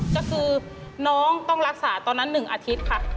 ก็คือน้องต้องรักษาตอนนั้น๑อาทิตย์ค่ะ